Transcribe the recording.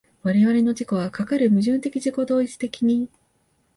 我々の自己はかかる矛盾的自己同一的に